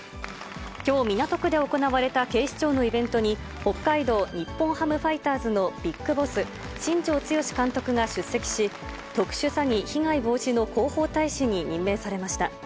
きょう、港区で行われた警視庁のイベントに、北海道日本ハムファイターズのＢＩＧＢＯＳＳ、新庄剛志監督が出席し、特殊詐欺被害防止の広報大使に任命されました。